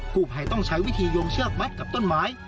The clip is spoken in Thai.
ผู้ภัยต้องใช้วิธีโยงเชือกมัดกับต้นไม้